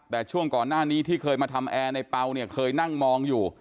แต่ช่วงก่อนหน้านี้ที่เคยมาทำแอร์ในเปล่าเนี่ยเคยนั่งมองอยู่